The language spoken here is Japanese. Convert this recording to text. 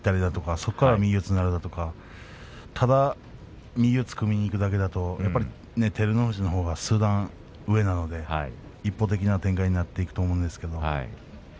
そこから右四つになるとかただ右四つに組みにいくだけだと照ノ富士のほうが、数段上なので一方的な展開になっていくと思うんですけど。